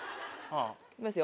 いきます